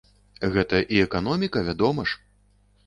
Гэта і эканоміка, вядома ж!